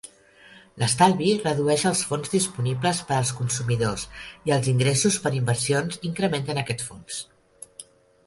L'estalvi redueix els fons disponibles per als consumidors i els ingressos per inversions incrementen aquests fons.